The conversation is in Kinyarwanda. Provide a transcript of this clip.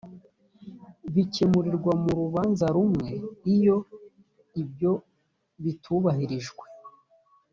bikemurirwa mu rubanza rumwe iyo ibyo bitubahirijwe